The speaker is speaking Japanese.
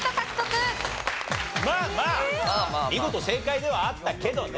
まあまあ見事正解ではあったけどね。